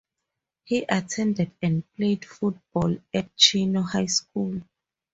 He attended and played football at Chino High School.